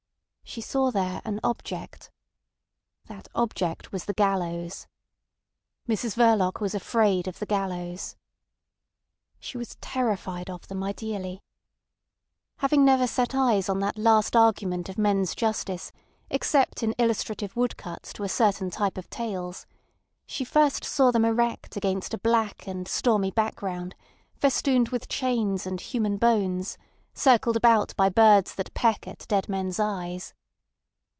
She saw there an object. That object was the gallows. Mrs Verloc was afraid of the gallows. She was terrified of them ideally. Having never set eyes on that last argument of men's justice except in illustrative woodcuts to a certain type of tales, she first saw them erect against a black and stormy background, festooned with chains and human bones, circled about by birds that peck at dead men's eyes.